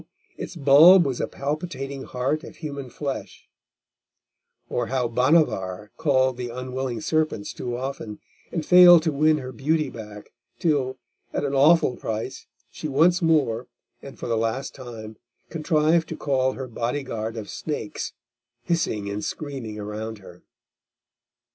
its bulb was a palpitating heart of human flesh; or how Bhanavar called the unwilling serpents too often, and failed to win her beauty back, till, at an awful price she once more, and for the last time, contrived to call her body guard of snakes hissing and screaming around her.